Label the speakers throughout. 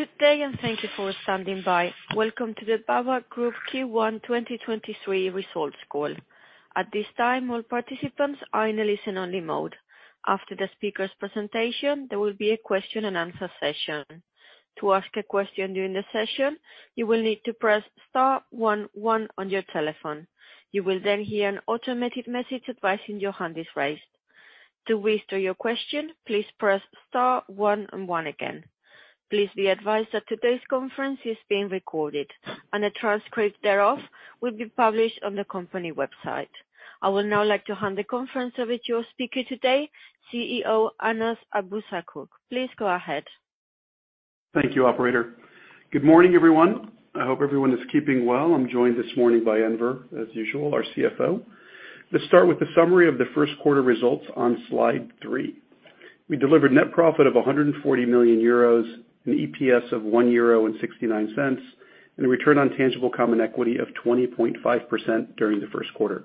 Speaker 1: Good day, and thank you for standing by. Welcome to the BAWAG Group Q1 2023 results call. At this time, all participants are in a listen-only mode. After the speaker's presentation, there will be a question and answer session. To ask a question during the session, you will need to press star one one on your telephone. You will then hear an automated message advising your hand is raised. To restore your question, please press star one one again. Please be advised that today's conference is being recorded, and a transcript thereof will be published on the company website. I would now like to hand the conference over to your speaker today, CEO Anas Abuzaakouk. Please go ahead.
Speaker 2: Thank you, operator. Good morning, everyone. I hope everyone is keeping well. I'm joined this morning by Enver, as usual, our CFO. Let's start with the summary of the Q1 results on slide three. We delivered net profit of 140 million euros, an EPS of 1.69 euro, and a return on tangible common equity of 20.5% during the Q1.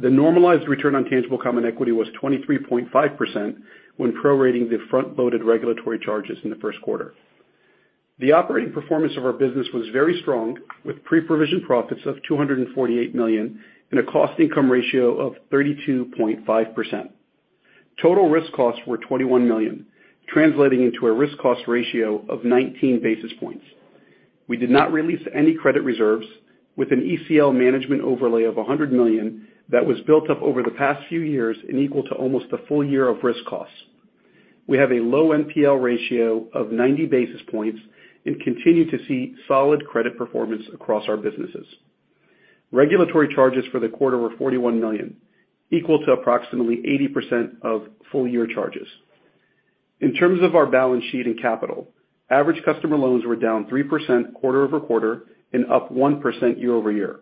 Speaker 2: The normalized return on tangible common equity was 23.5% when pro-rating the front-loaded regulatory charges in the Q1. The operating performance of our business was very strong, with pre-provision profits of 248 million and a cost income ratio of 32.5%. Total risk costs were 21 million, translating into a risk cost ratio of 19 basis points. We did not release any credit reserves with an ECL management overlay of 100 million that was built up over the past few years and equal to almost a full year of risk costs. We have a low NPL ratio of 90 basis points and continue to see solid credit performance across our businesses. Regulatory charges for the quarter were 41 million, equal to approximately 80% of full year charges. In terms of our balance sheet and capital, average customer loans were down 3% quarter-over-quarter and up 1% year-over-year.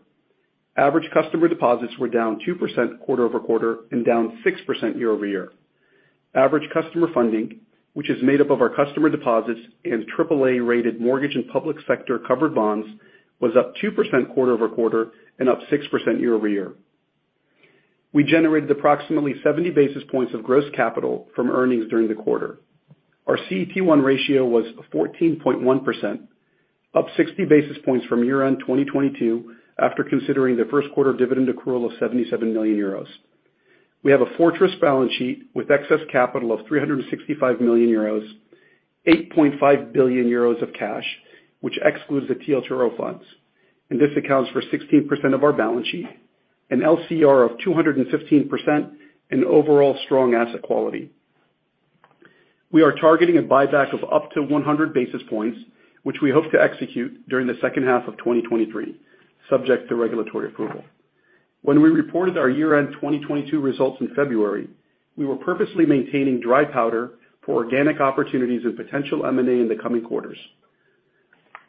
Speaker 2: Average customer deposits were down 2% quarter-over-quarter and down 6% year-over-year. Average customer funding, which is made up of our customer deposits and AAA-rated mortgage and public sector covered bonds, was up 2% quarter-over-quarter and up 6% year-over-year. We generated approximately 70 basis points of gross capital from earnings during the quarter. Our CET1 ratio was 14.1%, up 60 basis points from year-end 2022 after considering the Q1 dividend accrual of 77 million euros. We have a fortress balance sheet with excess capital of 365 million euros, 8.5 billion euros of cash, which excludes the TLTRO funds, and this accounts for 16% of our balance sheet, an LCR of 215%, and overall strong asset quality. We are targeting a buyback of up to 100 basis points, which we hope to execute during the second half of 2023, subject to regulatory approval. When we reported our year-end 2022 results in February, we were purposely maintaining dry powder for organic opportunities and potential M&A in the coming quarters.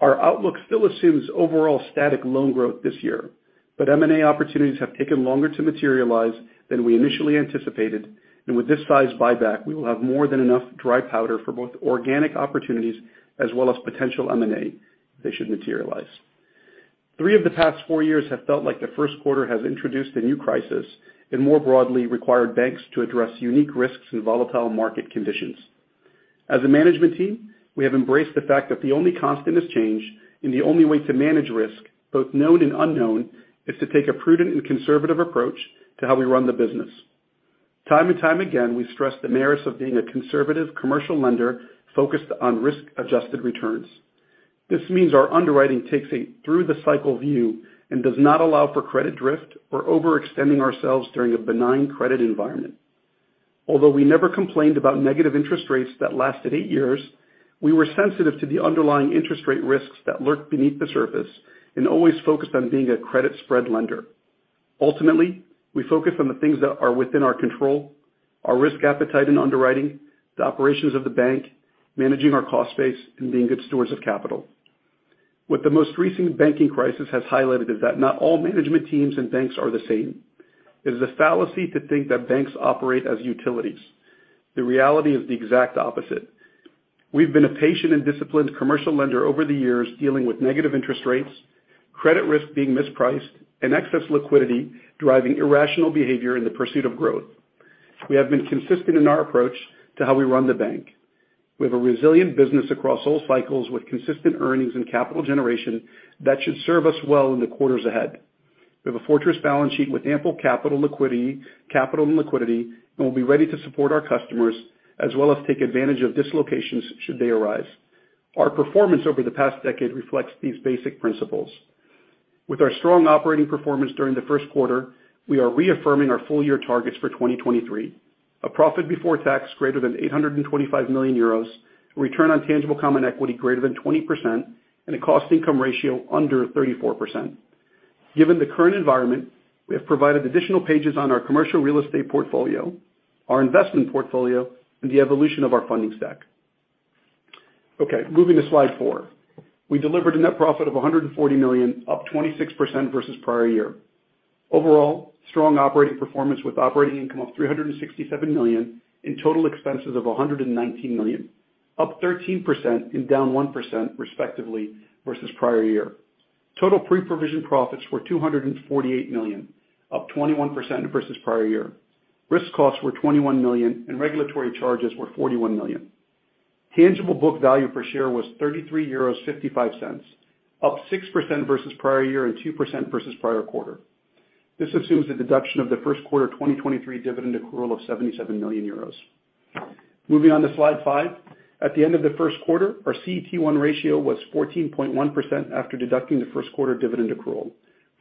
Speaker 2: Our outlook still assumes overall static loan growth this year, but M&A opportunities have taken longer to materialize than we initially anticipated, and with this size buyback, we will have more than enough dry powder for both organic opportunities as well as potential M&A if they should materialize. Three of the past four years have felt like the Q1 has introduced a new crisis and more broadly required banks to address unique risks and volatile market conditions. As a management team, we have embraced the fact that the only constant is change, and the only way to manage risk, both known and unknown, is to take a prudent and conservative approach to how we run the business. Time and time again, we stress the merits of being a conservative commercial lender focused on risk-adjusted returns. This means our underwriting takes a through the cycle view and does not allow for credit drift or overextending ourselves during a benign credit environment. Although we never complained about negative interest rates that lasted eight years, we were sensitive to the underlying interest rate risks that lurk beneath the surface and always focused on being a credit spread lender. Ultimately, we focus on the things that are within our control, our risk appetite in underwriting, the operations of the bank, managing our cost base, and being good stewards of capital. What the most recent banking crisis has highlighted is that not all management teams and banks are the same. It is a fallacy to think that banks operate as utilities. The reality is the exact opposite. We've been a patient and disciplined commercial lender over the years dealing with negative interest rates, credit risk being mispriced, and excess liquidity driving irrational behavior in the pursuit of growth. We have been consistent in our approach to how we run the bank. We have a resilient business across all cycles with consistent earnings and capital generation that should serve us well in the quarters ahead. We have a fortress balance sheet with ample capital and liquidity, and we'll be ready to support our customers as well as take advantage of dislocations should they arise. Our performance over the past decade reflects these basic principles. With our strong operating performance during the Q1, we are reaffirming our full year targets for 2023. A profit before tax greater than 825 million euros, return on tangible common equity greater than 20%, a cost income ratio under 34%. Given the current environment, we have provided additional pages on our commercial real estate portfolio, our investment portfolio, and the evolution of our funding stack. Okay, moving to slide four. We delivered a net profit of 140 million, up 26% versus prior year. Overall, strong operating performance with operating income of EUR 367 million and total expenses of EUR 119 million, up 13% and down 1% respectively versus prior year. Total pre-provision profits were EUR 248 million, up 21% versus prior year. Risk costs were EUR 21 million. Regulatory charges were EUR 41 million. Tangible book value per share was EUR 33.55, up 6% versus prior year and 2% versus prior quarter. This assumes the deduction of the Q1 2023 dividend accrual of 77 million euros. Moving on to slide five. At the end of the Q1, our CET1 ratio was 14.1% after deducting the Q1 dividend accrual.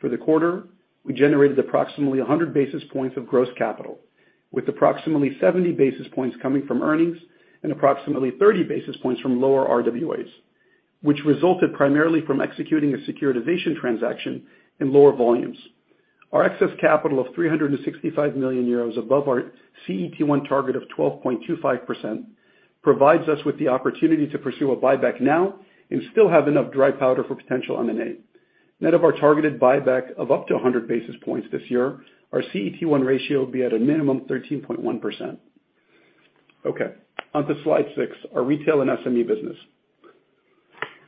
Speaker 2: For the quarter, we generated approximately 100 basis points of gross capital, with approximately 70 basis points coming from earnings and approximately 30 basis points from lower RWAs, which resulted primarily from executing a securitization transaction in lower volumes. Our excess capital of 365 million euros above our CET1 target of 12.25% provides us with the opportunity to pursue a buyback now and still have enough dry powder for potential M&A. Net of our targeted buyback of up to 100 basis points this year, our CET1 ratio will be at a minimum 13.1%. Okay, on to slide six. Our retail and SME business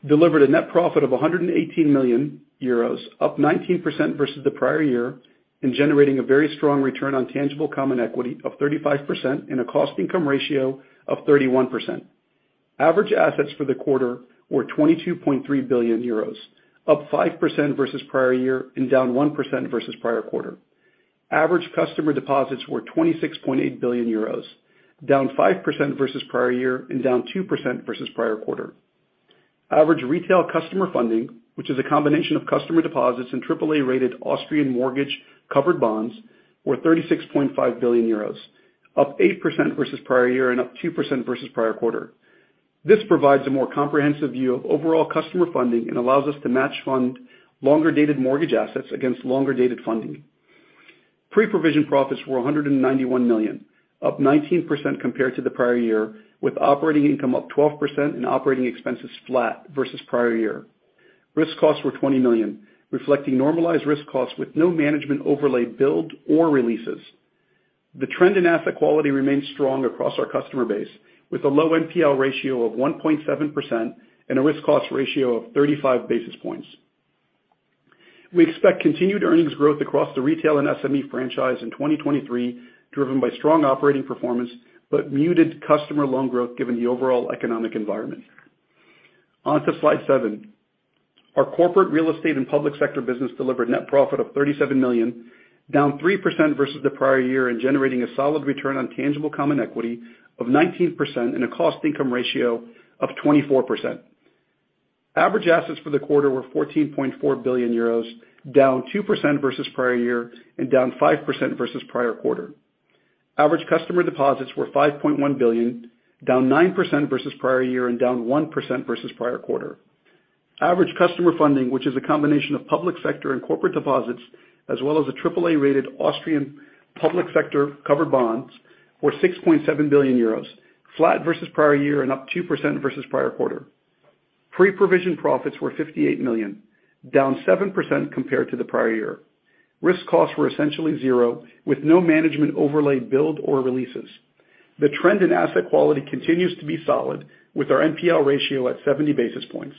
Speaker 2: delivered a net profit of 118 million euros, up 19% versus the prior year, and generating a very strong return on tangible common equity of 35% and a cost income ratio of 31%. Average assets for the quarter were 22.3 billion euros, up 5% versus prior year and down 1% versus prior quarter. Average customer deposits were 26.8 billion euros, down 5% versus prior year and down 2% versus prior quarter. Average retail customer funding, which is a combination of customer deposits and AAA-rated Austrian mortgage-covered bonds, were 36.5 billion euros, up 8% versus prior year and up 2% versus prior quarter. This provides a more comprehensive view of overall customer funding and allows us to match fund longer-dated mortgage assets against longer-dated funding. Pre-provision profits were 191 million, up 19% compared to the prior year, with operating income up 12% and operating expenses flat versus prior year. Risk costs were EUR 20 million, reflecting normalized risk costs with no management overlay build or releases. The trend in asset quality remains strong across our customer base, with a low NPL ratio of 1.7% and a risk cost ratio of 35 basis points. We expect continued earnings growth across the retail and SME franchise in 2023, driven by strong operating performance but muted customer loan growth given the overall economic environment. On to slide seven. Our corporate real estate and public sector business delivered net profit of 37 million, down 3% versus the prior year and generating a solid return on tangible common equity of 19% and a cost income ratio of 24%. Average assets for the quarter were 14.4 billion euros, down 2% versus prior year and down 5% versus prior quarter. Average customer deposits were 5.1 billion, down 9% versus prior year and down 1% versus prior quarter. Average customer funding, which is a combination of public sector and corporate deposits as well as AAA-rated Austrian public sector covered bonds, were 6.7 billion euros, flat versus prior year and up 2% versus prior quarter. Pre-provision profits were 58 million, down 7% compared to the prior year. Risk costs were essentially zero, with no management overlay build or releases. The trend in asset quality continues to be solid, with our NPL ratio at 70 basis points.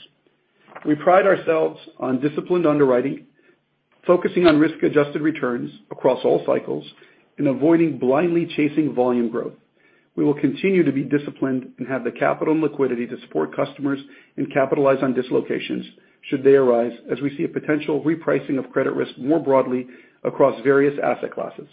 Speaker 2: We pride ourselves on disciplined underwriting, focusing on risk-adjusted returns across all cycles, avoiding blindly chasing volume growth. We will continue to be disciplined and have the capital and liquidity to support customers and capitalize on dislocations should they arise, as we see a potential repricing of credit risk more broadly across various asset classes.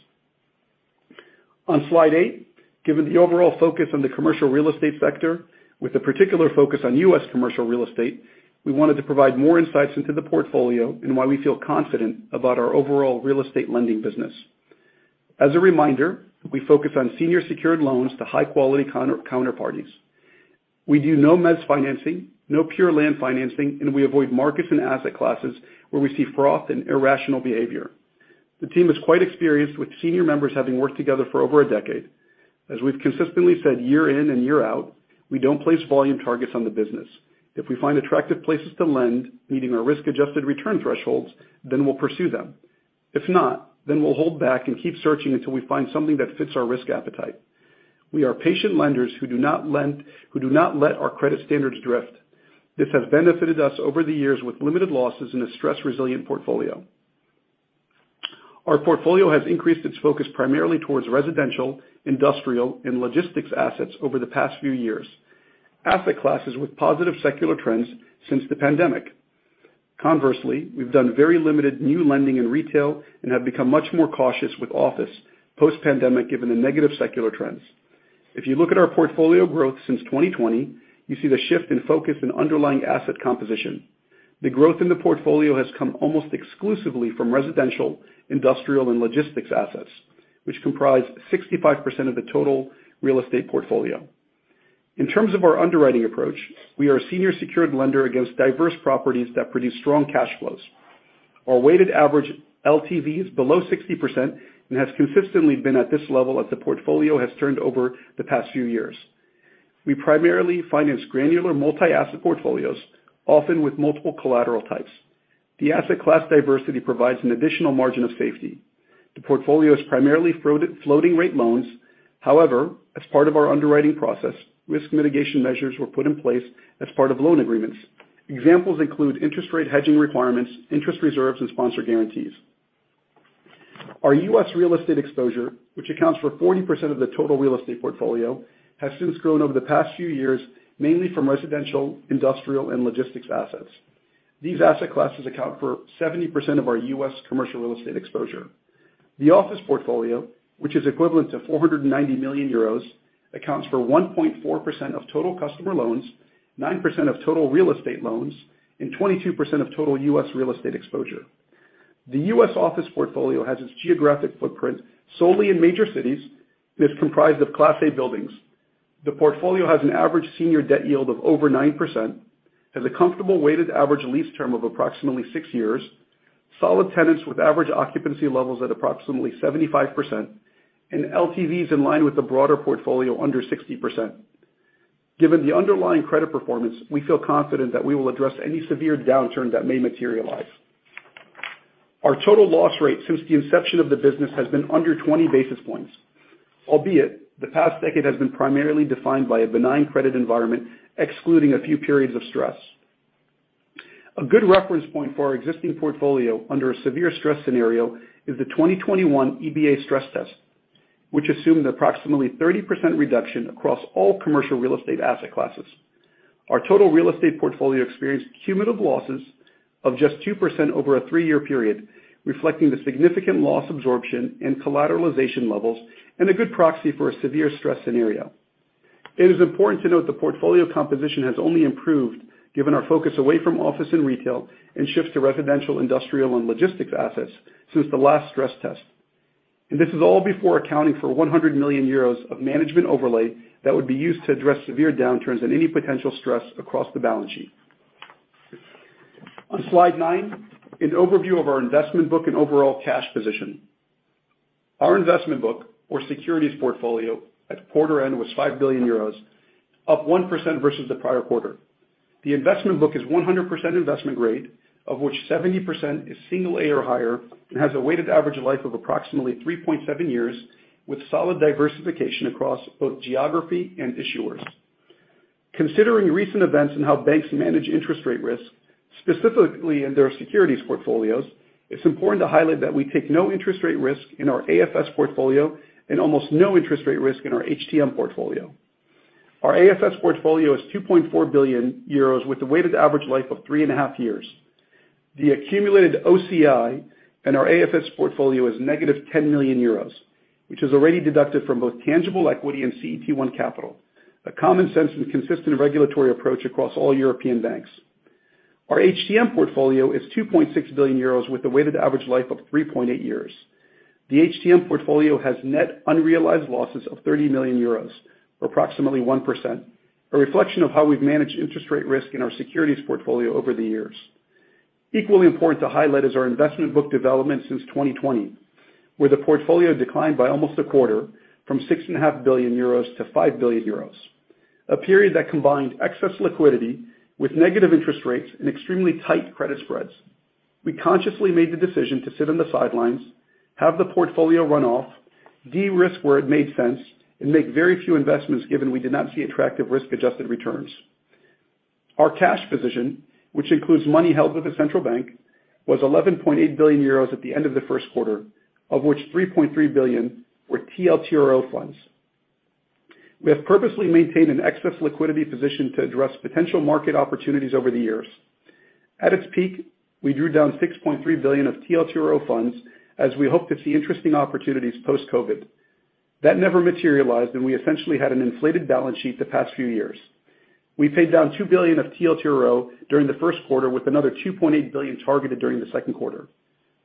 Speaker 2: On slide eight, given the overall focus on the commercial real estate sector, with a particular focus on U.S. commercial real estate, we wanted to provide more insights into the portfolio and why we feel confident about our overall real estate lending business. As a reminder, we focus on senior secured loans to high-quality counterparties. We do no mezzanine financing, no pure land financing, and we avoid markets and asset classes where we see froth and irrational behavior. The team is quite experienced, with senior members having worked together for over a decade. As we've consistently said year in and year out, we don't place volume targets on the business. If we find attractive places to lend meeting our risk-adjusted return thresholds, then we'll pursue them. If not, then we'll hold back and keep searching until we find something that fits our risk appetite. We are patient lenders who do not let our credit standards drift. This has benefited us over the years with limited losses in a stress resilient portfolio. Our portfolio has increased its focus primarily towards residential, industrial, and logistics assets over the past few years. Asset classes with positive secular trends since the pandemic. We've done very limited new lending in retail and have become much more cautious with office post-pandemic given the negative secular trends. If you look at our portfolio growth since 2020, you see the shift in focus and underlying asset composition. The growth in the portfolio has come almost exclusively from residential, industrial, and logistics assets, which comprise 65% of the total real estate portfolio. In terms of our underwriting approach, we are a senior secured lender against diverse properties that produce strong cash flows. Our weighted average LTV is below 60% and has consistently been at this level as the portfolio has turned over the past few years. We primarily finance granular multi-asset portfolios, often with multiple collateral types. The asset class diversity provides an additional margin of safety. The portfolio is primarily floating rate loans. As part of our underwriting process, risk mitigation measures were put in place as part of loan agreements. Examples include interest rate hedging requirements, interest reserves, and sponsor guarantees. Our U.S. real estate exposure, which accounts for 40% of the total real estate portfolio, has since grown over the past few years, mainly from residential, industrial, and logistics assets. These asset classes account for 70% of our U.S. commercial real estate exposure. The office portfolio, which is equivalent to 490 million euros, accounts for 1.4% of total customer loans, 9% of total real estate loans, and 22% of total U.S. real estate exposure. The U.S. office portfolio has its geographic footprint solely in major cities and is comprised of class A buildings. The portfolio has an average senior debt yield of over 9%, has a comfortable weighted average lease term of approximately six years, solid tenants with average occupancy levels at approximately 75%, and LTVs in line with the broader portfolio under 60%. Given the underlying credit performance, we feel confident that we will address any severe downturn that may materialize. Our total loss rate since the inception of the business has been under 20 basis points, albeit the past decade has been primarily defined by a benign credit environment, excluding a few periods of stress. A good reference point for our existing portfolio under a severe stress scenario is the 2021 EBA stress test, which assumed approximately 30% reduction across all commercial real estate asset classes. Our total real estate portfolio experienced cumulative losses of just 2% over a three-year period, reflecting the significant loss absorption and collateralization levels and a good proxy for a severe stress scenario. It is important to note the portfolio composition has only improved given our focus away from office and retail and shifts to residential, industrial, and logistics assets since the last stress test. This is all before accounting for 100 million euros of management overlay that would be used to address severe downturns and any potential stress across the balance sheet. On slide nine, an overview of our investment book and overall cash position. Our investment book or securities portfolio at quarter end was 5 billion euros, up 1% versus the prior quarter. The investment book is 100% investment grade, of which 70% is single A or higher, and has a weighted average life of approximately 3.7 years, with solid diversification across both geography and issuers. Considering recent events and how banks manage interest rate risk, specifically in their securities portfolios, it's important to highlight that we take no interest rate risk in our AFS portfolio and almost no interest rate risk in our HTM portfolio. Our AFS portfolio is 2.4 billion euros with a weighted average life of three and a half years. The accumulated OCI in our AFS portfolio is negative 10 million euros, which is already deducted from both tangible equity and CET1 capital, a common sense and consistent regulatory approach across all European banks. Our HTM portfolio is 2.6 billion euros with a weighted average life of 3.8 years. The HTM portfolio has net unrealized losses of 30 million euros, or approximately 1%, a reflection of how we've managed interest rate risk in our securities portfolio over the years. Equally important to highlight is our investment book development since 2020, where the portfolio declined by almost a quarter from 6.5 billion euros to 5 billion euros, a period that combined excess liquidity with negative interest rates and extremely tight credit spreads. We consciously made the decision to sit on the sidelines, have the portfolio run off, de-risk where it made sense, and make very few investments, given we did not see attractive risk-adjusted returns. Our cash position, which includes money held with the central bank, was 11.8 billion euros at the end of the Q1, of which 3.3 billion were TLTRO funds. We have purposely maintained an excess liquidity position to address potential market opportunities over the years. At its peak, we drew down 6.3 billion of TLTRO funds as we hoped to see interesting opportunities post-COVID. That never materialized, and we essentially had an inflated balance sheet the past few years. We paid down 2 billion of TLTRO during the Q1, with another 2.8 billion targeted during the Q2.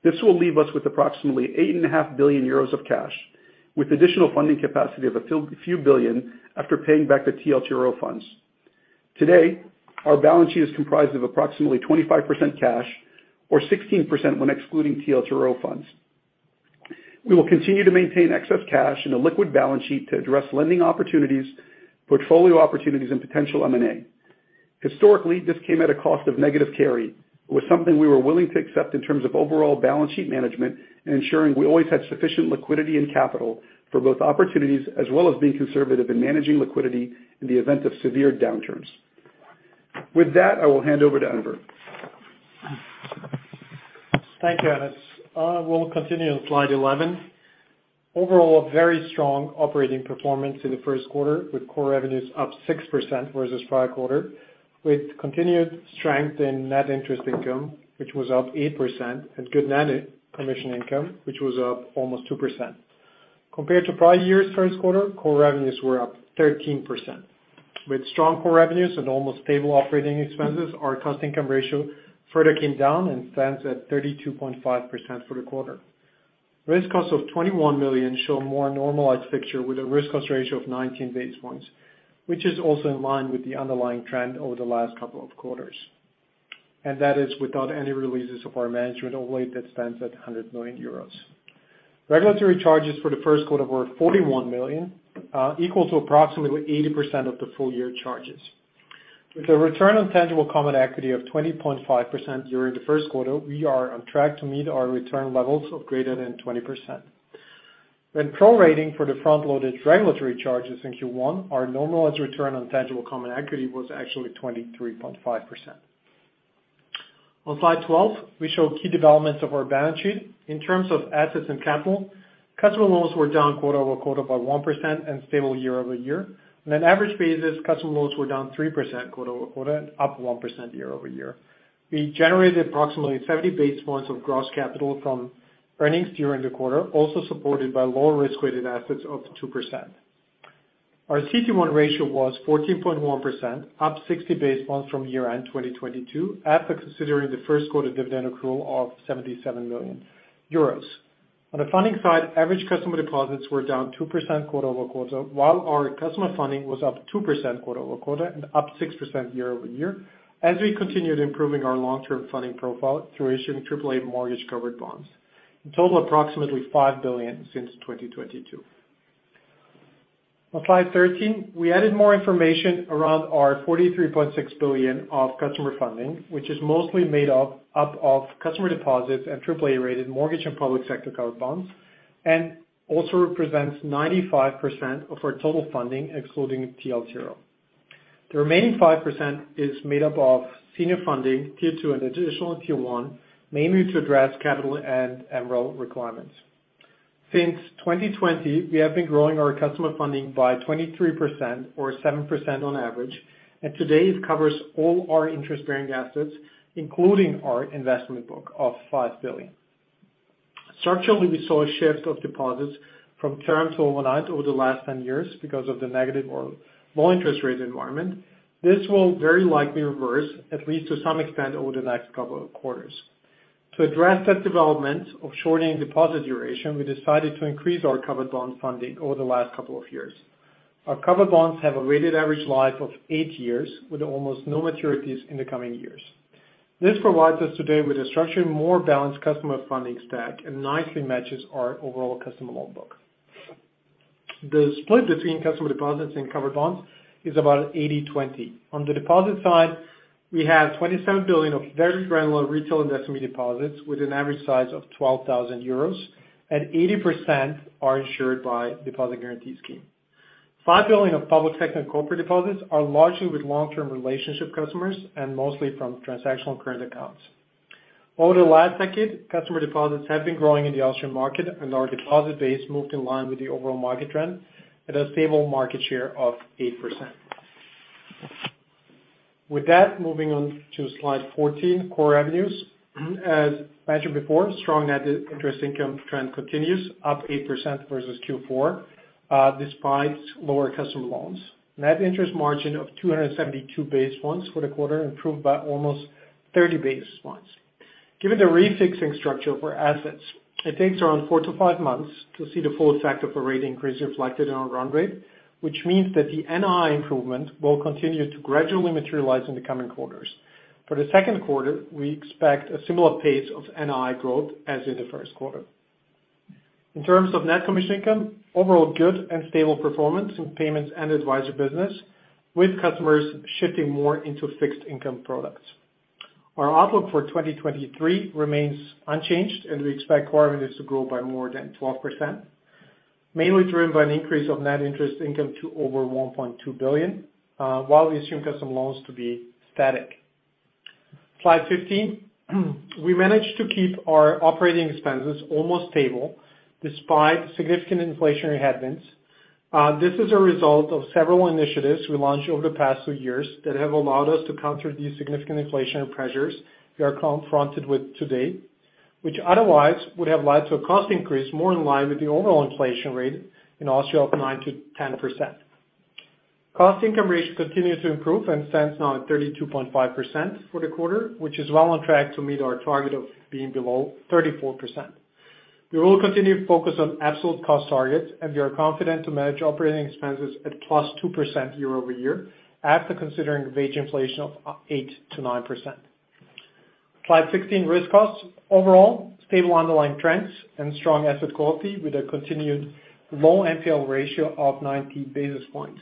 Speaker 2: This will leave us with approximately eight and a half billion EUR of cash, with additional funding capacity of a few billion after paying back the TLTRO funds. Today, our balance sheet is comprised of approximately 25% cash or 16% when excluding TLTRO funds. We will continue to maintain excess cash and a liquid balance sheet to address lending opportunities, portfolio opportunities, and potential M&A. Historically, this came at a cost of negative carry. It was something we were willing to accept in terms of overall balance sheet management and ensuring we always had sufficient liquidity and capital for both opportunities, as well as being conservative in managing liquidity in the event of severe downturns. With that, I will hand over to Enver.
Speaker 3: Thank you, Anas. We'll continue on slide 11. Overall, a very strong operating performance in the Q1, with core revenues up 6% versus prior quarter, with continued strength in net interest income, which was up 8%, and good net commission income, which was up almost 2%. Compared to prior year's Q1, core revenues were up 13%. With strong core revenues and almost stable operating expenses, our cost income ratio further came down and stands at 32.5% for the quarter. Risk costs of 21 million show a more normalized picture with a risk cost ratio of 19 basis points, which is also in line with the underlying trend over the last couple of quarters. That is without any releases of our management overlay that stands at 100 million euros. Regulatory charges for the Q1 were 41 million, equal to approximately 80% of the full-year charges. With a return on tangible common equity of 20.5% during the Q1, we are on track to meet our return levels of greater than 20%. When pro-rating for the front-loaded regulatory charges in Q1, our normalized return on tangible common equity was actually 23.5%. On slide 12, we show key developments of our balance sheet. In terms of assets and capital, customer loans were down quarter-over-quarter by 1% and stable year-over-year. On an average basis, customer loans were down 3% quarter-over-quarter and up 1% year-over-year. We generated approximately 70 basis points of gross capital from earnings during the quarter, also supported by lower risk-weighted assets of 2%. Our CET1 ratio was 14.1%, up 60 basis points from year-end 2022, after considering the Q1 dividend accrual of 77 million euros. On the funding side, average customer deposits were down 2% quarter-over-quarter, while our customer funding was up 2% quarter-over-quarter and up 6% year-over-year, as we continued improving our long-term funding profile through issuing AAA mortgage-covered bonds. In total, approximately 5 billion since 2022. On slide 13, we added more information around our 43.6 billion of customer funding, which is mostly made up of customer deposits and AAA-rated mortgage and public sector covered bonds, and also represents 95% of our total funding, excluding TLTRO. The remaining 5% is made up of senior funding, Tier 2 and Additional Tier 1, mainly to address capital and MREL requirements. Since 2020, we have been growing our customer funding by 23% or 7% on average. Today it covers all our interest-bearing assets, including our investment book of 5 billion. Structurally, we saw a shift of deposits from terms overnight over the last 10 years because of the negative or low interest rate environment. This will very likely reverse, at least to some extent, over the next couple of quarters. To address that development of shortening deposit duration, we decided to increase our covered bond funding over the last couple of years. Our covered bonds have a weighted average life of eight years with almost no maturities in the coming years. This provides us today with a structured, more balanced customer funding stack and nicely matches our overall customer loan book. The split between customer deposits and covered bonds is about 80/20. On the deposit side, we have 27 billion of very granular retail and SME deposits with an average size of 12,000 euros, and 80% are insured by Deposit Guarantee Scheme. 5 billion of public sector and corporate deposits are largely with long-term relationship customers and mostly from transactional current accounts. Over the last decade, customer deposits have been growing in the Austrian market and our deposit base moved in line with the overall market trend at a stable market share of 8%. With that, moving on to slide 14, core revenues. As mentioned before, strong net interest income trend continues, up 8% versus Q4, despite lower customer loans. Net interest margin of 272 basis points for the quarter improved by almost 30 basis points. Given the refixing structure of our assets, it takes around four to five months to see the full effect of a rate increase reflected in our run rate, which means that the NII improvement will continue to gradually materialize in the coming quarters. For the Q2, we expect a similar pace of NII growth as in the Q1. In terms of net commission income, overall good and stable performance in payments and advisory business, with customers shifting more into fixed income products. Our outlook for 2023 remains unchanged, and we expect core revenues to grow by more than 12%, mainly driven by an increase of net interest income to over 1.2 billion, while we assume customer loans to be static. Slide 15, we managed to keep our operating expenses almost stable despite significant inflationary headwinds. This is a result of several initiatives we launched over the past few years that have allowed us to counter the significant inflationary pressures we are confronted with today, which otherwise would have led to a cost increase more in line with the overall inflation rate in Austria of 9%-10%. Cost income ratio continues to improve and stands now at 32.5% for the quarter, which is well on track to meet our target of being below 34%. We will continue to focus on absolute cost targets, and we are confident to manage operating expenses at +2% year-over-year after considering wage inflation of 8%-9%. Slide 16, risk costs. Overall, stable underlying trends and strong asset quality with a continued low NPL ratio of 90 basis points.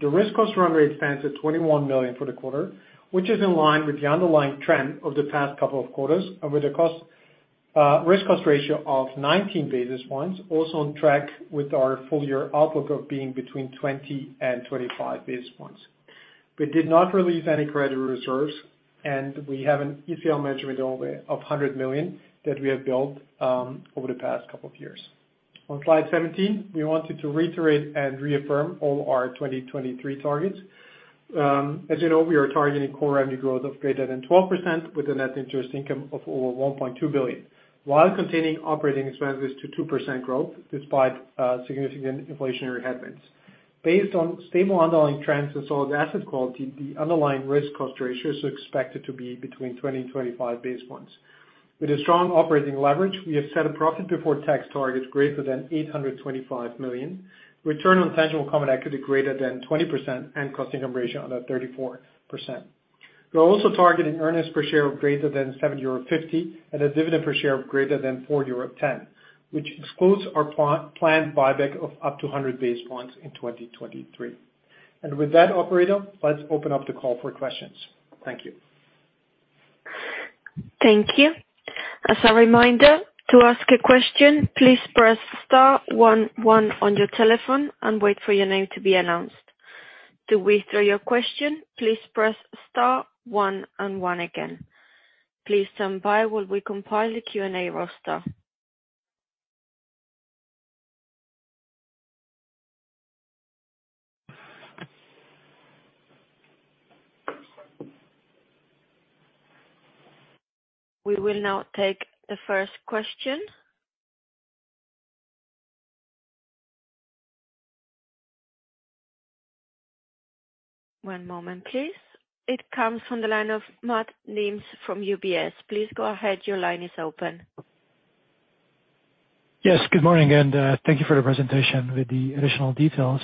Speaker 3: The risk cost run rate stands at 21 million for the quarter, which is in line with the underlying trend of the past couple of quarters and with a risk cost ratio of 19 basis points, also on track with our full year outlook of being between 20 and 25 basis points. We did not release any credit reserves. We have an ECL measurement only of 100 million that we have built over the past couple of years. On slide 17, we wanted to reiterate and reaffirm all our 2023 targets. As you know, we are targeting core revenue growth of greater than 12% with a net interest income of over 1.2 billion while containing operating expenses to 2% growth despite significant inflationary headwinds. Based on stable underlying trends and solid asset quality, the underlying risk cost ratio is expected to be between 20 and 25 basis points. With a strong operating leverage, we have set a profit before tax target greater than 825 million, return on tangible common equity greater than 20%, and cost income ratio under 34%. We're also targeting earnings per share of greater than 7.50 euro, and a dividend per share of greater than 4.10 euro, which excludes our planned buyback of up to 100 basis points in 2023. With that operator, let's open up the call for questions. Thank you.
Speaker 1: Thank you. As a reminder, to ask a question, please press star one, one on your telephone and wait for your name to be announced. To withdraw your question, please press star one and one again. Please stand by while we compile the Q&A roster. We will now take the first question. One moment please. It comes from the line of Máté Nemes from UBS. Please go ahead. Your line is open.
Speaker 4: Yes, good morning, thank you for the presentation with the additional details.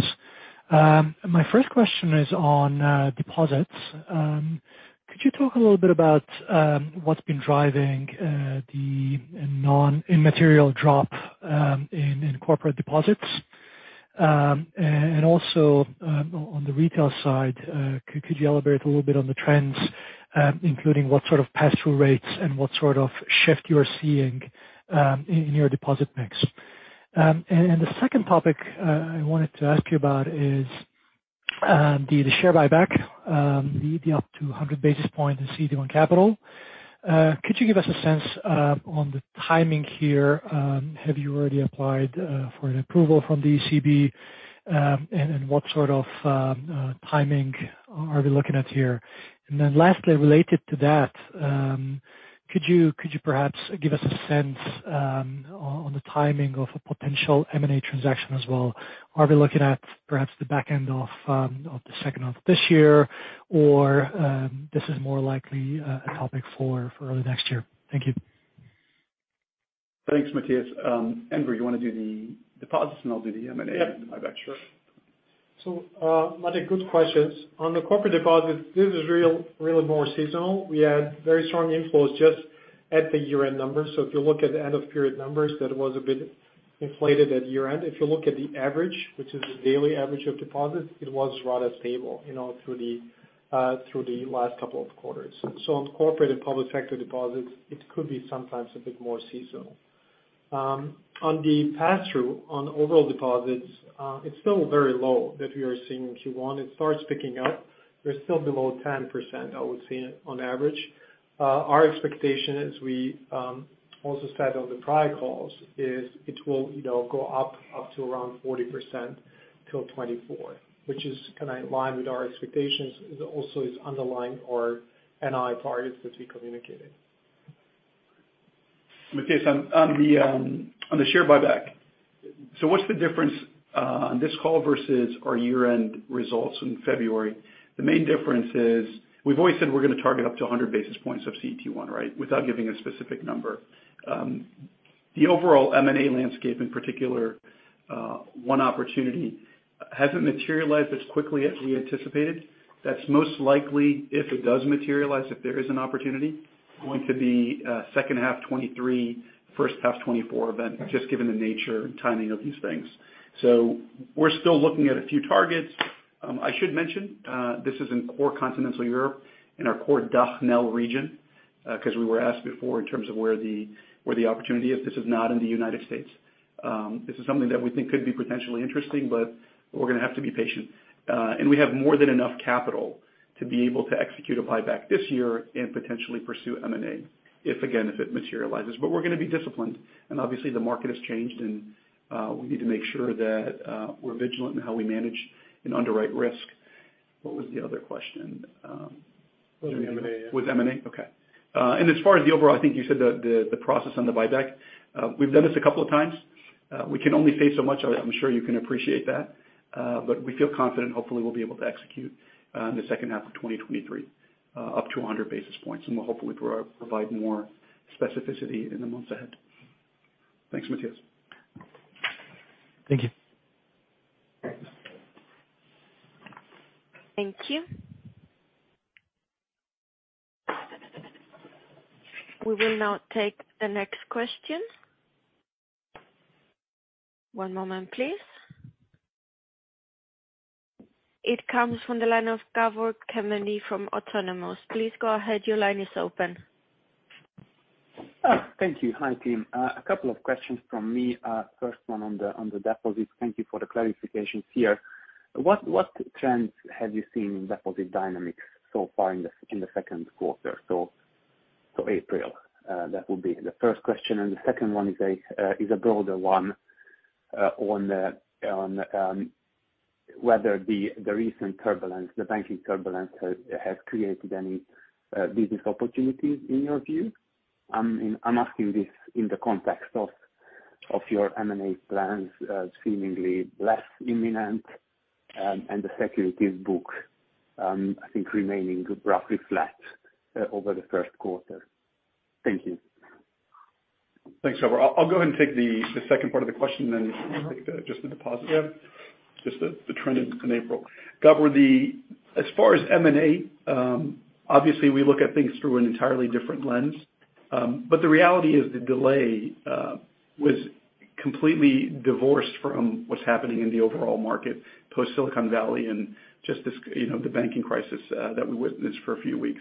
Speaker 4: My first question is on deposits. Could you talk a little bit about what's been driving the non-immaterial drop in corporate deposits? And also, on the retail side, could you elaborate a little bit on the trends, including what sort of pass-through rates and what sort of shift you're seeing in your deposit mix? And the second topic I wanted to ask you about is the share buyback, the up to 100 basis points in CET1 capital. Could you give us a sense on the timing here? Have you already applied for an approval from the ECB? And what sort of timing are we looking at here? Lastly, related to that, could you perhaps give us a sense, on the timing of a potential M&A transaction as well? Are we looking at perhaps the back end of the second half of this year, or this is more likely a topic for early next year? Thank you.
Speaker 2: Thanks, Máté. Enver, you wanna do the deposits and I'll do the M&A buyback?
Speaker 3: Yeah. Sure. Máté, good questions. On the corporate deposits, this is real, really more seasonal. We had very strong inflows just at the year-end numbers. If you look at the end of period numbers, that was a bit inflated at year-end. If you look at the average, which is the daily average of deposits, it was rather stable, you know, through the last couple of quarters. On corporate and public sector deposits, it could be sometimes a bit more seasonal. On the pass-through on overall deposits, it's still very low that we are seeing Q1. It starts picking up. We're still below 10%, I would say on average. Our expectation as we also said on the prior calls is it will, you know, go up to around 40% till 2024, which is kinda in line with our expectations. It also is underlying our NII targets, which we communicated.
Speaker 2: Máté on the share buyback. What's the difference on this call versus our year-end results in February? The main difference is we've always said we're gonna target up to 100 basis points of CET1, right? Without giving a specific number. The overall M&A landscape in particular, one opportunity hasn't materialized as quickly as we anticipated. That's most likely if it does materialize, if there is an opportunity, going to be second half 2023, first half 2024 event, just given the nature and timing of these things. We're still looking at a few targets. I should mention, this is in core continental Europe in our core DACH NL region, 'cause we were asked before in terms of where the opportunity is. This is not in the United States. This is something that we think could be potentially interesting, but we're gonna have to be patient. We have more than enough capital to be able to execute a buyback this year and potentially pursue M&A if again, if it materializes. We're gonna be disciplined and obviously the market has changed and we need to make sure that we're vigilant in how we manage and underwrite risk. What was the other question?
Speaker 3: Was M&A.
Speaker 2: With M&A? Okay. As far as the overall, I think you said the process on the buyback. We've done this a couple of times. We can only say so much. I'm sure you can appreciate that, but we feel confident. Hopefully we'll be able to execute in the second half of 2023, up to 100 basis points, and we'll hopefully provide more specificity in the months ahead. Thanks, Máté.
Speaker 4: Thank you.
Speaker 1: Thank you. We will now take the next question. One moment please. It comes from the line of Gabor Kemeny from Autonomous. Please go ahead. Your line is open.
Speaker 5: Thank you. Hi team. A couple of questions from me. First one on the deposits. Thank you for the clarifications here. What trends have you seen in deposit dynamics so far in the Q2? April, that would be the first question and the second one is a broader one, on whether the recent turbulence, the banking turbulence has created any business opportunities in your view. I'm asking this in the context of your M&A plans, seemingly less imminent, and the securities book, I think remaining roughly flat, over the Q1. Thank you.
Speaker 2: Thanks, Gabor. I'll go ahead and take the second part of the question, then I'll take just the deposit.
Speaker 3: Yeah.
Speaker 2: Just the trend in April. Gabor, as far as M&A, obviously we look at things through an entirely different lens, the reality is the delay was completely divorced from what's happening in the overall market, post-Silicon Valley and just this, you know, the banking crisis that we witnessed for a few weeks.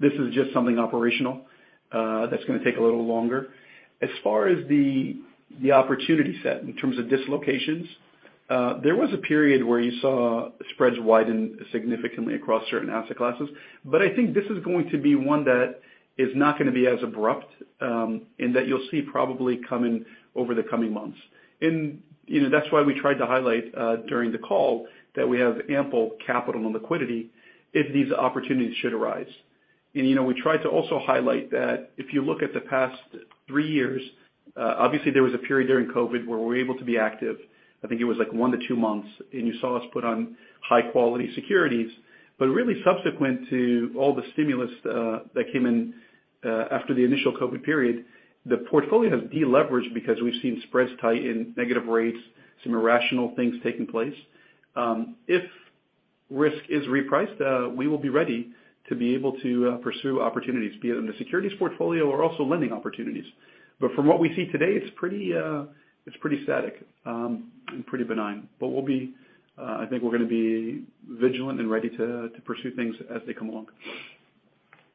Speaker 2: This is just something operational that's gonna take a little longer. As far as the opportunity set in terms of dislocations, there was a period where you saw spreads widen significantly across certain asset classes, I think this is going to be one that is not gonna be as abrupt, and that you'll see probably coming over the coming months. You know, that's why we tried to highlight during the call that we have ample capital and liquidity if these opportunities should arise. You know, we tried to also highlight that if you look at the past three years, obviously there was a period during COVID where we were able to be active. I think it was, like, one to two months, and you saw us put on high quality securities. Really subsequent to all the stimulus that came in after the initial COVID period, the portfolio has de-leveraged because we've seen spreads tighten, negative rates, some irrational things taking place. If risk is repriced, we will be ready to be able to pursue opportunities, be it in the securities portfolio or also lending opportunities. From what we see today, it's pretty static, and pretty benign. I think we're gonna be vigilant and ready to pursue things as they come along.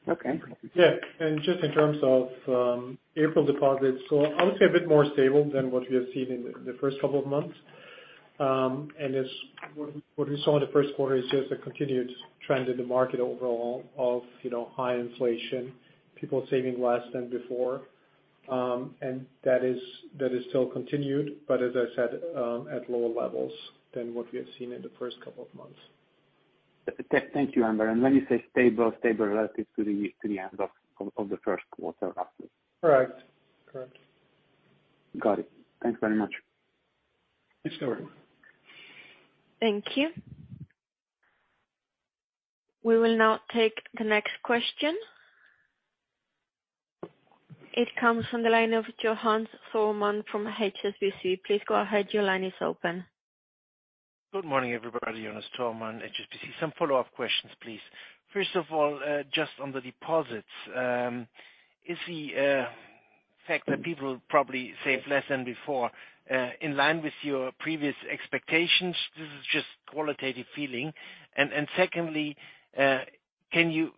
Speaker 5: Okay.
Speaker 3: Yeah. Just in terms of April deposits, I would say a bit more stable than what we have seen in the first couple of months. As what we saw in the Q1 is just a continued trend in the market overall of, you know, high inflation, people saving less than before, and that is still continued, but as I said, at lower levels than what we have seen in the first couple of months.
Speaker 5: Thank you, Enver. When you say stable relative to the, to the end of the Q1 roughly?
Speaker 3: Correct. Correct.
Speaker 5: Got it. Thanks very much.
Speaker 3: Thanks, Gabor.
Speaker 1: Thank you. We will now take the next question. It comes from the line of Johannes Thormann from HSBC. Please go ahead. Your line is open.
Speaker 6: Good morning, everybody. Johannes Thormann, HSBC. Some follow-up questions, please. First of all, just on the deposits, is the fact that people probably save less than before, in line with your previous expectations? This is just qualitative feeling. Secondly, can you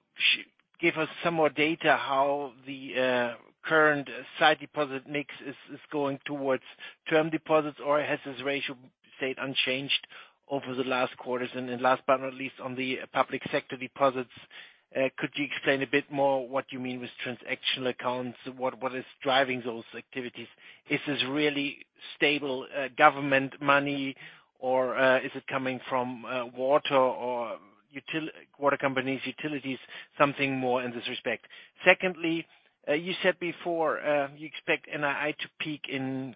Speaker 6: give us some more data how the current side deposit mix is going towards term deposits, or has this ratio stayed unchanged over the last quarters? Last but not least, on the public sector deposits, could you explain a bit more what you mean with transactional accounts? What is driving those activities? Is this really stable government money or is it coming from water or water companies, utilities, something more in this respect? Secondly, you said before, you expect NII to peak in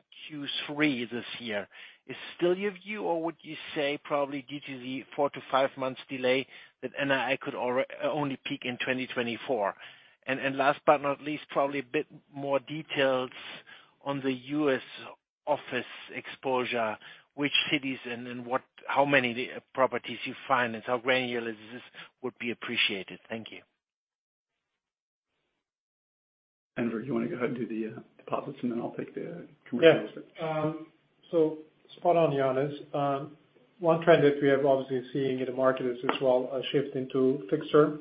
Speaker 6: Q3 this year. Is still your view, or would you say probably due to the four to five months delay that NII could only peak in 2024? Last but not least, probably a bit more details on the U.S. office exposure, which cities and how many properties you find and how granular this is would be appreciated. Thank you.
Speaker 2: Enver, you wanna go ahead and do the deposits, and then I'll take the commercial estate?
Speaker 3: Yeah. Spot on, Johannes. One trend that we have obviously seen in the market is this, well, a shift into fixed term.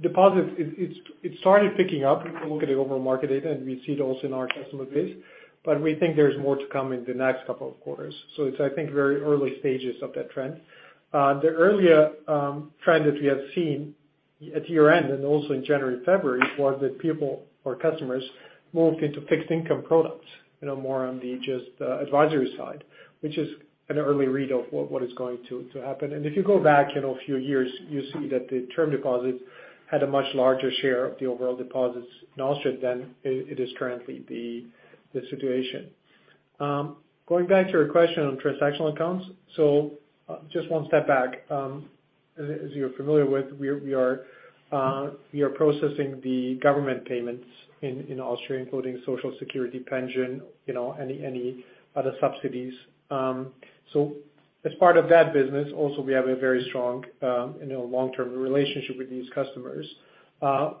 Speaker 3: Deposits, it started picking up if you look at the overall market data, and we see it also in our customer base, but we think there's more to come in the next couple of quarters. It's, I think, very early stages of that trend. The earlier trend that we have seen at year-end and also in January, February, was that people or customers moved into fixed income products, you know, more on the just advisory side, which is an early read of what is going to happen. If you go back, you know, a few years, you see that the term deposits had a much larger share of the overall deposits in Austria than it is currently the situation. Going back to your question on transactional accounts. Just one step back, as you're familiar with, we are processing the government payments in Austria, including Social Security pension, you know, any other subsidies. As part of that business, also we have a very strong, you know, long-term relationship with these customers,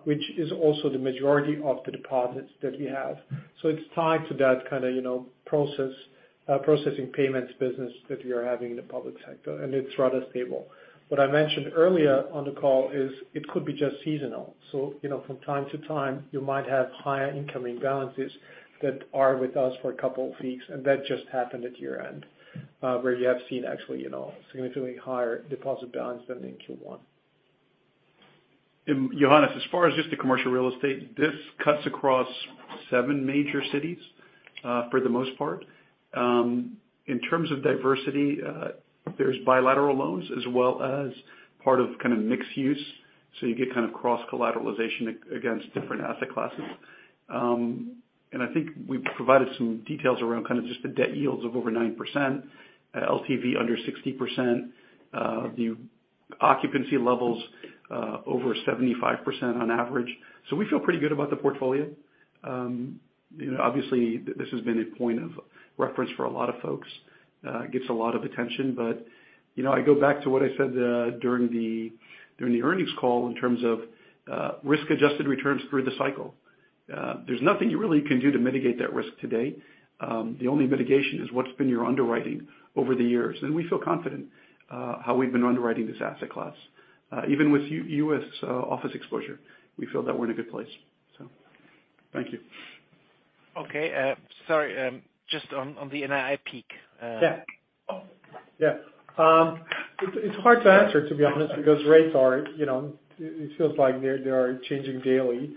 Speaker 3: which is also the majority of the deposits that we have. It's tied to that kind of, you know, process, processing payments business that we are having in the public sector, and it's rather stable. What I mentioned earlier on the call is it could be just seasonal. You know, from time to time, you might have higher incoming balances that are with us for a couple of weeks, and that just happened at year-end, where you have seen actually, you know, significantly higher deposit balance than in Q1.
Speaker 2: Johannes, as far as just the commercial real estate, this cuts across seven major cities for the most part. In terms of diversity, there's bilateral loans as well as part of kind of mixed use, so you get kind of cross-collateralization against different asset classes. I think we provided some details around kind of just the debt yields of over 9%, LTV under 60%, Occupancy levels over 75% on average. We feel pretty good about the portfolio. You know, obviously this has been a point of reference for a lot of folks, gets a lot of attention. You know, I go back to what I said during the earnings call in terms of risk-adjusted returns through the cycle. There's nothing you really can do to mitigate that risk today. The only mitigation is what's been your underwriting over the years, and we feel confident, how we've been underwriting this asset class. Even with U.S. office exposure, we feel that we're in a good place. Thank you.
Speaker 6: Okay. Sorry, just on the NII peak.
Speaker 3: Yeah. Oh, yeah. It's hard to answer, to be honest, because rates are, you know, it feels like they're, they are changing daily.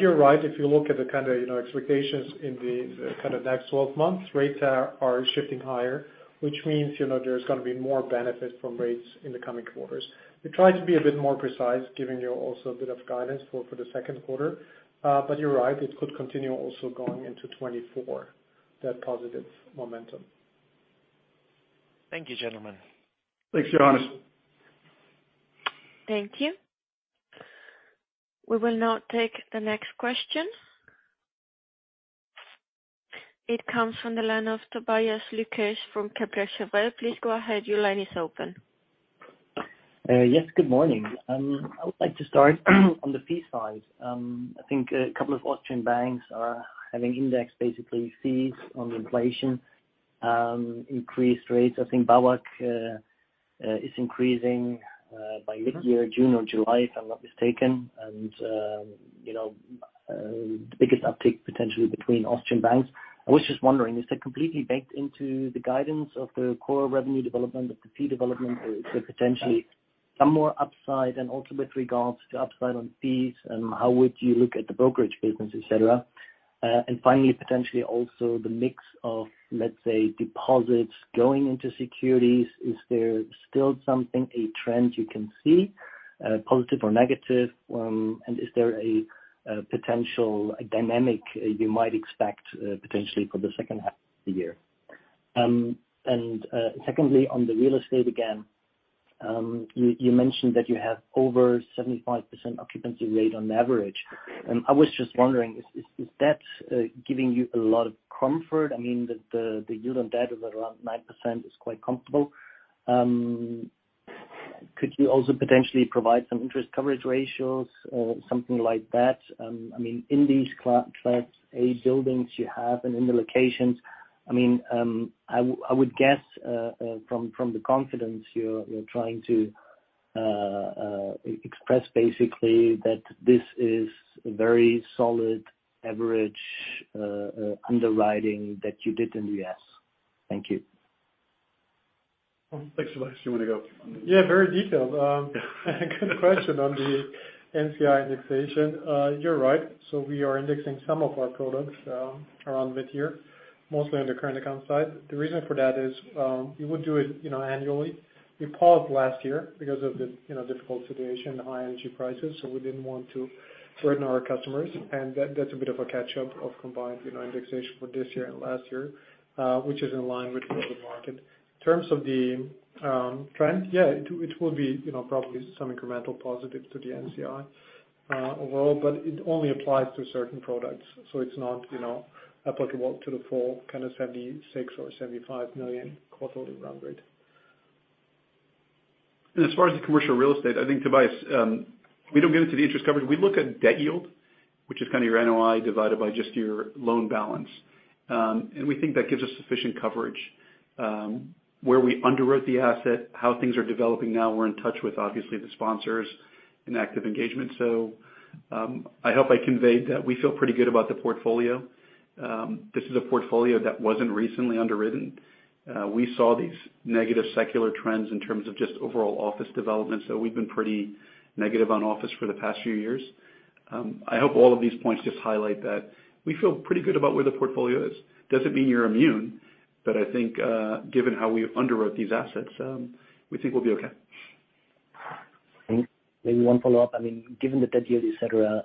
Speaker 3: You're right. If you look at the kind of, you know, expectations in the kind of next 12 months, rates are shifting higher, which means, you know, there's gonna be more benefit from rates in the coming quarters. We try to be a bit more precise giving you also a bit of guidance for the Q2. You're right, it could continue also going into 2024, that positive momentum.
Speaker 6: Thank you, gentlemen.
Speaker 2: Thanks, Johannes.
Speaker 1: Thank you. We will now take the next question. It comes from the line of Tobias Lukesch from Kepler Cheuvreux. Please go ahead. Your line is open.
Speaker 7: Yes. Good morning. I would like to start on the fee side. I think a couple of Austrian banks are having indexed basically fees on the inflation, increased rates. I think BAWAG is increasing by midyear June or July, if I'm not mistaken, and, you know, the biggest uptick potentially between Austrian banks. I was just wondering, is that completely baked into the guidance of the core revenue development, of the fee development, or is there potentially some more upside and ultimate regards to upside on fees, and how would you look at the brokerage business, et cetera? Finally, potentially also the mix of, let's say, deposits going into securities. Is there still something, a trend you can see, positive or negative? Is there a potential dynamic you might expect potentially for the second half of the year? Secondly, on the real estate again, you mentioned that you have over 75% occupancy rate on average. I was just wondering, is that giving you a lot of comfort? I mean, the yield on debt is around 9% is quite comfortable. Could you also potentially provide some interest coverage ratios or something like that? I mean, in these class A buildings you have and in the locations, I mean, I would guess from the confidence you're trying to express basically that this is a very solid average underwriting that you did in the U.S. Thank you.
Speaker 2: Well, thanks Tobias. Do you wanna go?
Speaker 3: Yeah, very detailed. Good question on the NCI indexation. You're right. We are indexing some of our products around mid-year, mostly on the current account side. The reason for that is, we would do it, you know, annually. We paused last year because of the, you know, difficult situation, high energy prices, so we didn't want to threaten our customers. That's a bit of a catch-up of combined, you know, indexation for this year and last year, which is in line with the market. In terms of the trend, yeah, it will be, you know, probably some incremental positive to the NCI overall. It only applies to certain products, so it's not, you know, applicable to the full kind of 76 million or 75 million quarterly run rate.
Speaker 2: As far as the commercial real estate, I think, Tobias, we don't get into the interest coverage. We look at debt yield, which is kind of your NOI divided by just your loan balance. We think that gives us sufficient coverage, where we underwrote the asset, how things are developing now, we're in touch with obviously the sponsors in active engagement. I hope I conveyed that we feel pretty good about the portfolio. This is a portfolio that wasn't recently underwritten. We saw these negative secular trends in terms of just overall office development, so we've been pretty negative on office for the past few years. I hope all of these points just highlight that we feel pretty good about where the portfolio is. Doesn't mean you're immune, but I think, given how we underwrote these assets, we think we'll be okay.
Speaker 7: Maybe one follow-up. I mean, given the debt yield, et cetera,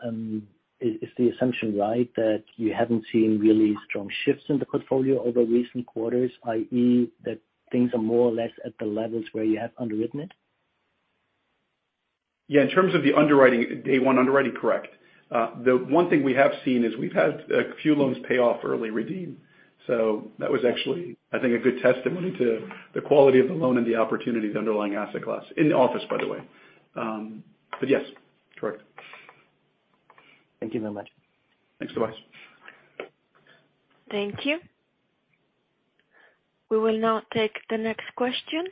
Speaker 7: is the assumption right that you haven't seen really strong shifts in the portfolio over recent quarters, i.e., that things are more or less at the levels where you have underwritten it?
Speaker 2: Yeah. In terms of the underwriting, day one underwriting, correct. The one thing we have seen is we've had a few loans pay off early, redeem. That was actually, I think, a good testimony to the quality of the loan and the opportunity of the underlying asset class in office, by the way. Yes, correct.
Speaker 7: Thank you very much.
Speaker 2: Thanks, Tobias.
Speaker 1: Thank you. We will now take the next question.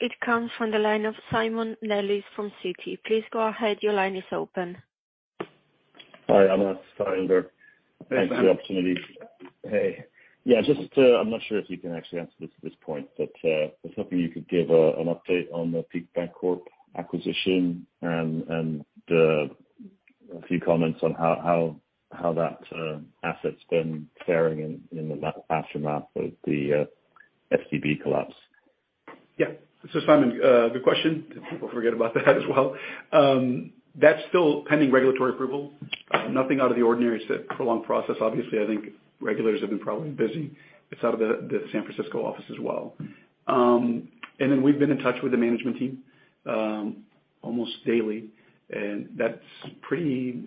Speaker 1: It comes from the line of Simon Nellis from Citi. Please go ahead. Your line is open.
Speaker 8: Hi, everyone, Simon there.
Speaker 2: Hey, Simon.
Speaker 8: Thanks for the opportunity. Hey. I'm not sure if you can actually answer this at this point, but I was hoping you could give an update on the Peak Bancorp, Inc. acquisition and a few comments on how that asset's been faring in the aftermath of the SVB collapse.
Speaker 2: Simon, good question. People forget about that as well. That's still pending regulatory approval. Nothing out of the ordinary to prolong process. Obviously, I think regulators have been probably busy. It's out of the San Francisco office as well. We've been in touch with the management team almost daily, and that's pretty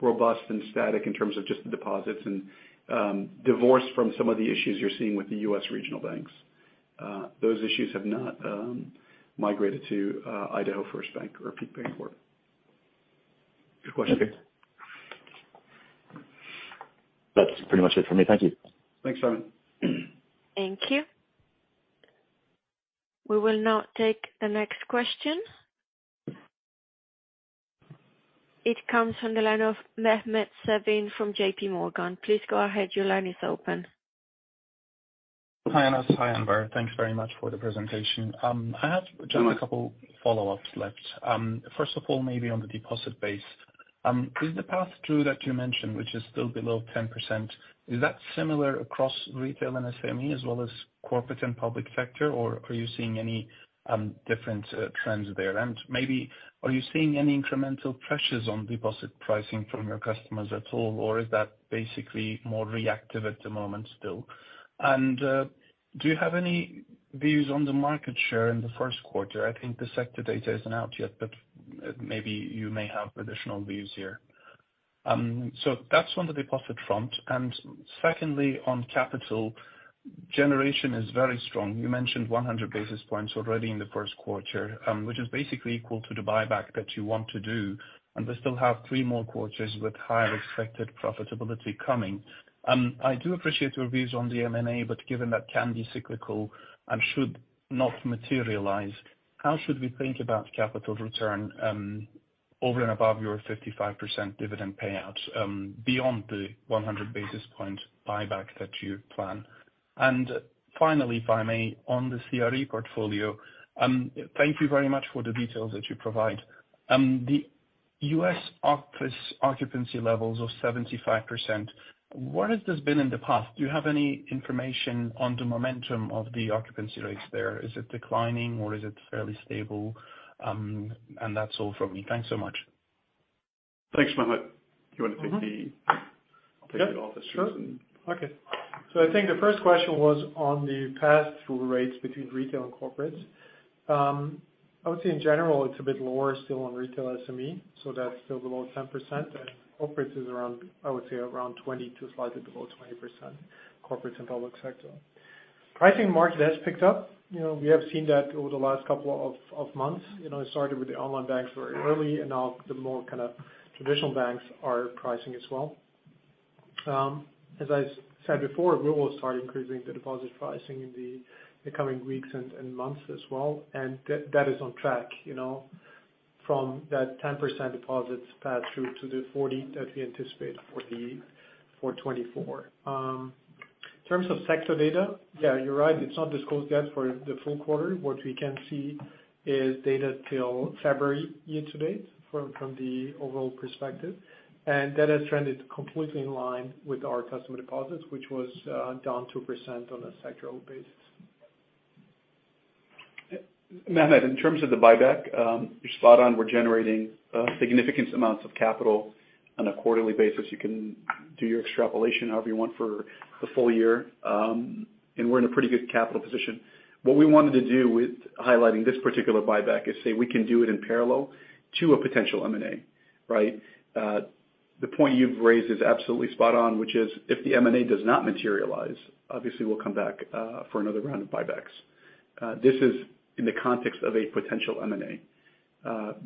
Speaker 2: robust and static in terms of just the deposits and divorced from some of the issues you're seeing with the U.S. regional banks. Those issues have not migrated to Idaho First Bank or Peak Bancorp, Inc. Good question.
Speaker 8: That's pretty much it for me. Thank you.
Speaker 2: Thanks, Simon.
Speaker 1: Thank you. We will now take the next question. It comes from the line of Mehmet Sevim from JPMorgan. Please go ahead. Your line is open.
Speaker 9: Hi, Anas. Hi, Enver. Thanks very much for the presentation. I have just a couple follow-ups left. First of all, maybe on the deposit base. Is the pass-through that you mentioned, which is still below 10%, is that similar across retail and SME as well as corporate and public sector, or are you seeing any different trends there? Maybe are you seeing any incremental pressures on deposit pricing from your customers at all, or is that basically more reactive at the moment still? Do you have any views on the market share in the Q1? I think the sector data isn't out yet, maybe you may have additional views here. That's on the deposit front. Secondly, on capital, generation is very strong. You mentioned 100 basis points already in the Q1, which is basically equal to the buyback that you want to do, and we still have three more quarters with higher expected profitability coming. I do appreciate your views on the M&A, but given that can be cyclical and should not materialize, how should we think about capital return, over and above your 55% dividend payout, beyond the 100 basis point buyback that you plan? Finally, if I may, on the CRE portfolio, thank you very much for the details that you provide. The U.S. office occupancy levels of 75%, where has this been in the past? Do you have any information on the momentum of the occupancy rates there? Is it declining or is it fairly stable? That's all from me. Thanks so much.
Speaker 2: Thanks, Mehmet. You wanna take the- I'll take the office rates.
Speaker 3: Yep. Sure. Okay. I think the first question was on the pass-through rates between retail and corporates. I would say in general, it's a bit lower still on retail SME, so that's still below 10%. Corporates is around, I would say around 20% to slightly below 20%, corporates and public sector. Pricing market has picked up. You know, we have seen that over the last couple of months. You know, it started with the online banks very early, and now the more kinda traditional banks are pricing as well. As I've said before, we will start increasing the deposit pricing in the coming weeks and months as well, and that is on track, you know, from that 10% deposits pass-through to the 40% that we anticipate for 2024. In terms of sector data, yeah, you're right. It's not disclosed yet for the full quarter. What we can see is data till February year to date from the overall perspective, and that has trended completely in line with our customer deposits, which was down 2% on a sectoral basis.
Speaker 2: Mehmet, in terms of the buyback, you're spot on. We're generating significant amounts of capital on a quarterly basis. You can do your extrapolation however you want for the full year. We're in a pretty good capital position. What we wanted to do with highlighting this particular buyback is say we can do it in parallel to a potential M&A, right? The point you've raised is absolutely spot on, which is if the M&A does not materialize, obviously we'll come back for another round of buybacks. This is in the context of a potential M&A.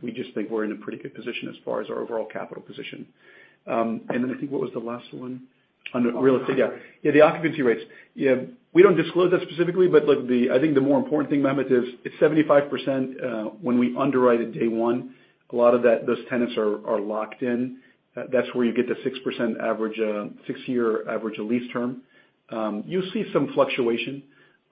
Speaker 2: We just think we're in a pretty good position as far as our overall capital position. I think what was the last one? On the real estate, yeah. Yeah, the occupancy rates. Yeah. We don't disclose that specifically, I think the more important thing, Mehmet, is it's 75% when we underwrite at day one. A lot of those tenants are locked in. That's where you get the 6% average six-year average lease term. You'll see some fluctuation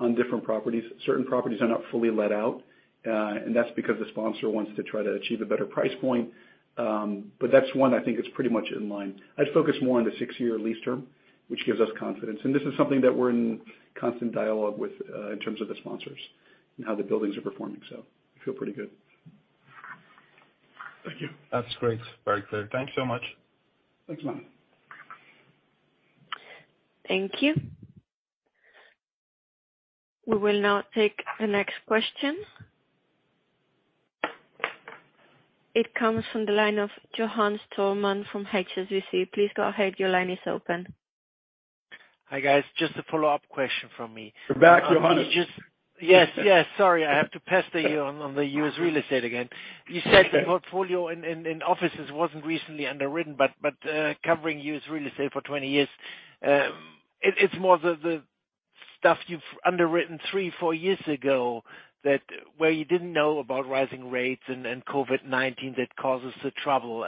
Speaker 2: on different properties. Certain properties are not fully let out, that's because the sponsor wants to try to achieve a better price point. That's one I think it's pretty much in line. I'd focus more on the six-year lease term, which gives us confidence, and this is something that we're in constant dialogue with in terms of the sponsors and how the buildings are performing. I feel pretty good. Thank you.
Speaker 9: That's great. Very clear. Thanks so much.
Speaker 2: Thanks, Mehmet.
Speaker 1: Thank you. We will now take the next question. It comes from the line of Johannes Thormann from HSBC. Please go ahead. Your line is open.
Speaker 6: Hi, guys. Just a follow-up question from me.
Speaker 2: We're back, Johannes.
Speaker 6: Let me just. Yes. Sorry. I have to pester you on the U.S. real estate again.
Speaker 2: That's okay.
Speaker 6: You said the portfolio in offices wasn't recently underwritten, but covering U.S. real estate for 20 years, it's more the stuff you've underwritten three, four years ago that where you didn't know about rising rates and COVID-19 that causes the trouble.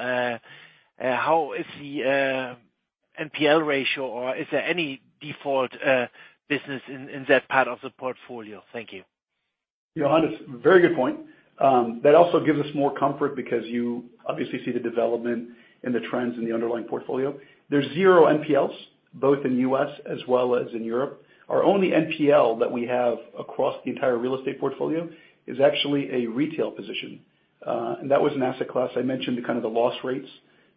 Speaker 6: How is the NPL ratio, or is there any default business in that part of the portfolio? Thank you.
Speaker 2: Johannes, very good point. That also gives us more comfort because you obviously see the development in the trends in the underlying portfolio. There's 0 NPLs Both in U.S. as well as in Europe. Our only NPL that we have across the entire real estate portfolio is actually a retail position. That was an asset class I mentioned, the kind of the loss rates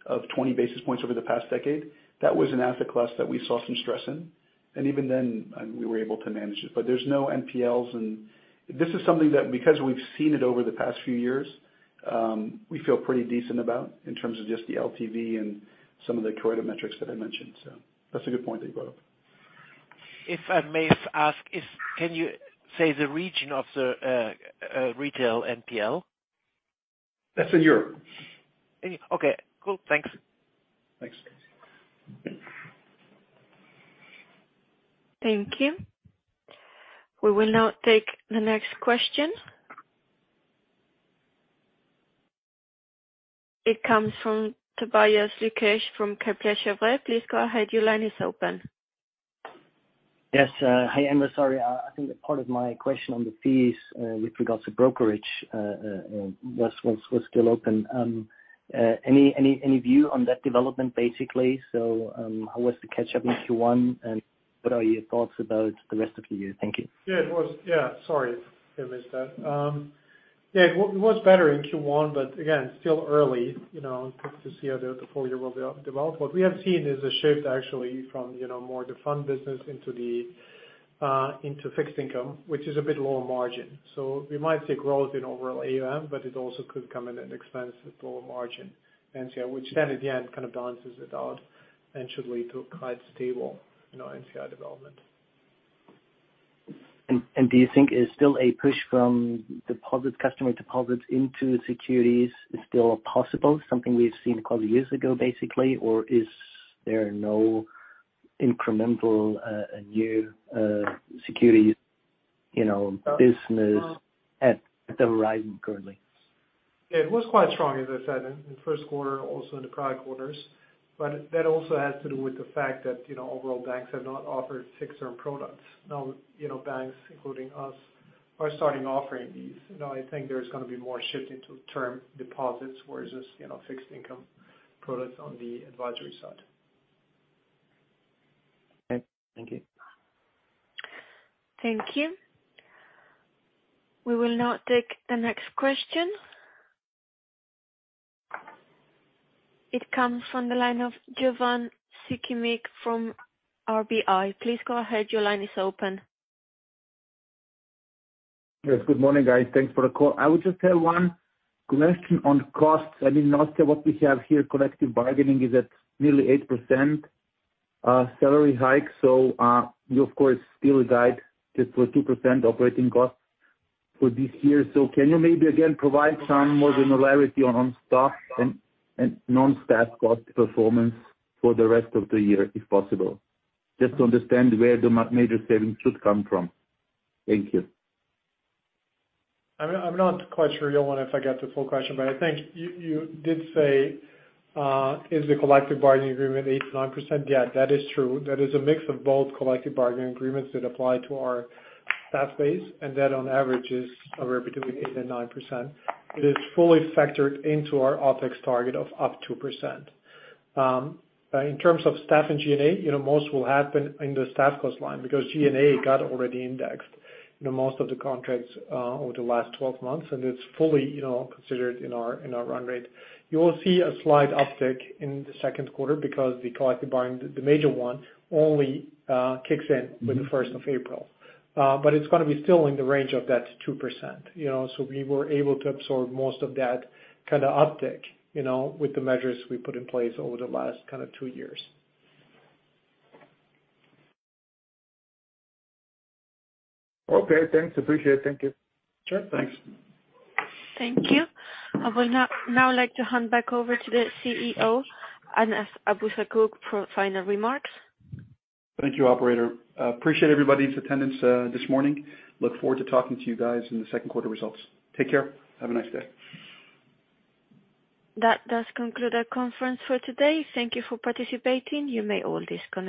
Speaker 2: of 20 basis points over the past decade. That was an asset class that we saw some stress in, and even then, and we were able to manage it. There's no NPLs and this is something that because we've seen it over the past few years, we feel pretty decent about in terms of just the LTV and some of the credit metrics that I mentioned. That's a good point that you brought up.
Speaker 6: If I may ask, can you say the region of the retail NPL?
Speaker 2: That's in Europe.
Speaker 6: Okay, cool. Thanks.
Speaker 3: Thanks.
Speaker 1: Thank you. We will now take the next question. It comes from Tobias Lukesch from Kepler Cheuvreux. Please go ahead. Your line is open.
Speaker 7: Yes. Hi, Enver. Sorry, I think that part of my question on the fees, with regards to brokerage was still open. Any view on that development basically? How was the catch-up in Q1, and what are your thoughts about the rest of the year? Thank you.
Speaker 3: Yeah. It was, Yeah, sorry if I missed that. Yeah, it was better in Q1. Again, still early, you know, to see how the full year will develop. What we have seen is a shift actually from, you know, more the fund business into the into fixed income, which is a bit lower margin. We might see growth in overall AUM. It also could come at an expense with lower margin. NCI, again kind of balances it out and should lead to quite stable, you know, NCI development.
Speaker 7: Do you think it's still a push from deposit, customer deposit into securities is still possible, something we've seen a couple years ago, basically? Is there no incremental new security, you know, business at the horizon currently?
Speaker 3: It was quite strong, as I said, in the Q1, also in the prior quarters, but that also has to do with the fact that, you know, overall banks have not offered fixed term products. Now, you know, banks, including us, are starting offering these. You know, I think there's gonna be more shift into term deposits versus, you know, fixed income products on the advisory side.
Speaker 7: Okay. Thank you.
Speaker 1: Thank you. We will now take the next question. It comes from the line of Jovan Sikimic from RBI. Please go ahead. Your line is open.
Speaker 10: Yes, good morning, guys. Thanks for the call. I would just have one question on costs. I did not get what we have here. Collective bargaining is at nearly 8% salary hike, you of course still guide just for 2% operating costs for this year. Can you maybe again provide some more granularity on staff and non-staff cost performance for the rest of the year if possible? Just to understand where the major savings should come from. Thank you.
Speaker 3: I'm not quite sure, Jovan, if I got the full question, but I think you did say, is the collective bargaining agreement 8%-9%? Yeah, that is true. That is a mix of both collective bargaining agreements that apply to our staff base, and that on average is somewhere between 8% and 9%. It is fully factored into our OpEx target of up 2%. In terms of staff and G&A, you know, most will happen in the staff cost line because G&A got already indexed, you know, most of the contracts over the last 12 months, and it's fully, you know, considered in our run rate. You will see a slight uptick in the Q2 because the collective bargaining, the major one only, kicks in with the 1st of April. It's gonna be still in the range of that 2%, you know. We were able to absorb most of that kind of uptick, you know, with the measures we put in place over the last kind of two years.
Speaker 10: Okay, thanks. Appreciate it. Thank you.
Speaker 3: Sure. Thanks.
Speaker 1: Thank you. I would now like to hand back over to the CEO, Anas Abuzaakouk, for final remarks.
Speaker 2: Thank you, Operator. Appreciate everybody's attendance this morning. Look forward to talking to you guys in the Q2 results. Take care. Have a nice day.
Speaker 1: That does conclude our conference for today. Thank you for participating. You may all disconnect.